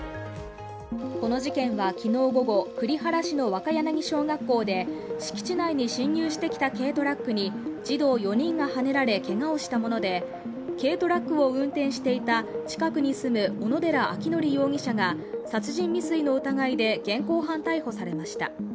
この事件は、昨日午後栗原市の若柳小学校で敷地内に侵入してきた軽トラックに児童４人がはねられ、けがをしたもので、軽トラックを運転していた近くに住む小野寺章仁容疑者が殺人未遂の疑いで現行犯逮捕されました。